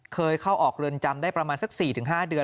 เคยเข้าออกเรือนจำได้ประมาณสัก๔๕เดือน